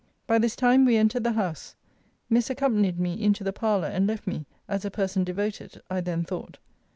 By this time we entered the house. Miss accompanied me into the parlour, and left me, as a person devoted, I then thought.